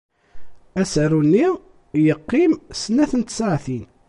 Asaru-nni yeqqim snat n tsaɛtin.